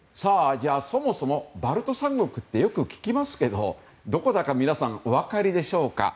そもそもバルト三国ってよく聞きますがどこだか皆さんお分かりでしょうか？